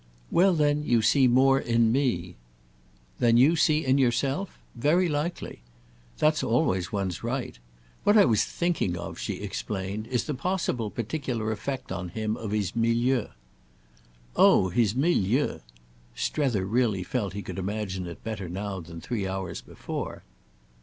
"Well then you see more in 'me'!" "Than you see in yourself? Very likely. That's always one's right. What I was thinking of," she explained, "is the possible particular effect on him of his milieu." "Oh his milieu—!" Strether really felt he could imagine it better now than three hours before.